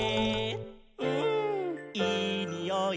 「うんいいにおい」